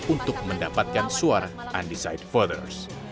untuk mendapatkan suara undecided voters